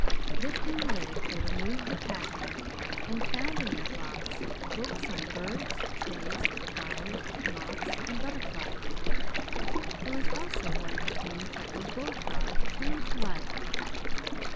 Lifting the lid, they removed the packing and found in that box books on birds, trees, flowers, moths, and butterflies. There was also one containing Freckles' bullfrog, true to life.